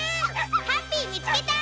ハッピーみつけた！